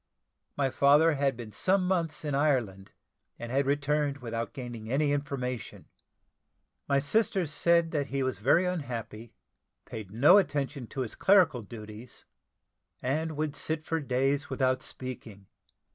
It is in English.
My father had been some months in Ireland, and had returned without gaining any information. My sister said that he was very unhappy, paid no attention to his clerical duties, and would sit for days without speaking.